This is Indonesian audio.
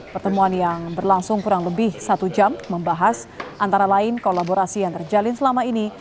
pertemuan yang berlangsung kurang lebih satu jam membahas antara lain kolaborasi yang terjalin selama ini